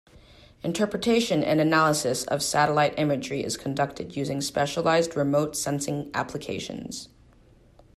Interpretation and analysis of satellite imagery is conducted using specialized remote sensing applications.